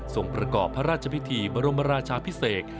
ส่งประกอบพระราชพิธีบรมราชาพิเศษ